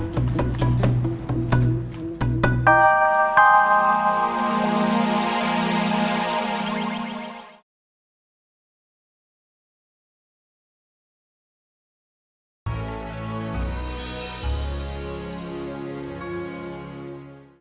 kalian sudah pasti bisa cantik gunkol